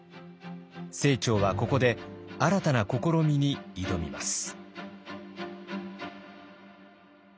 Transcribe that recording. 清張はここで新たな試みに挑みます。